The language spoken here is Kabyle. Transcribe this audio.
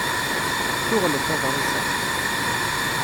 Ssuɣlet aḍṛis-a.